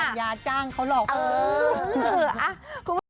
มีภัยยาจ้างเขาหลอกเขาเออ